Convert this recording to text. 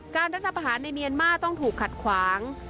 รัฐประหารในเมียนมาร์ต้องถูกขัดขวาง